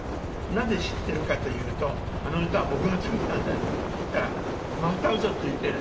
「なぜ知っているかというとあの歌は僕が作ったんだよ」って言ったら「またウソついている」。